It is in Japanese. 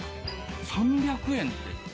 ３００円って！